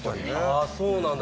そうなんだ。